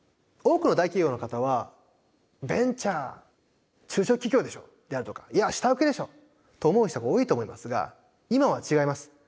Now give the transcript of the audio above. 多くの大企業の方はベンチャー中小企業でしょであるとかいや下請けでしょと思う人が多いと思いますが今は違います。